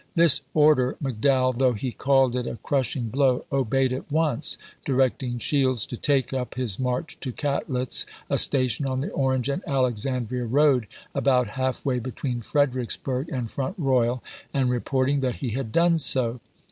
voLxii., This order McDowell, though he called it "a ^1^220.^' crushing blow," obeyed at once, directing Shields to take up his march to Catlett's, a station on the Orange and Alexandria road, about half way between Fredericksbui g and Front Royal, and re porting that he had done so.